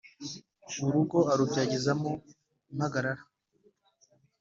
Urugo arubyagizamo impagarara